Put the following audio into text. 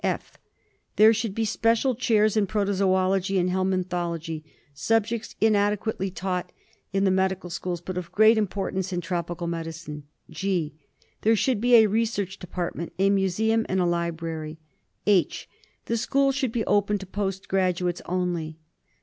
(/) There should be special chairs in protozoology and helminthology, subjects inadequately taught in the 228 PROBLEMS IN TROPICAL MEDICINE. medical schools but of great importance in tropical medicine. (g) There should be a research department, a museum^ and a library. (A) The school should be open to post graduates only.